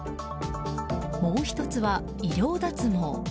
もう１つは医療脱毛。